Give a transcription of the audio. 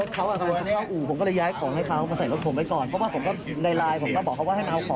ก็ประมาณสัก๒สัปดาห์